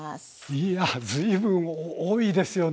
いや随分多いですよね